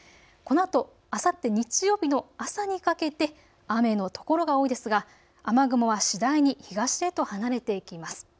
このあと、あさって日曜日の朝にかけて雨の所が多いですが雨雲は次第に東へと離れていきます。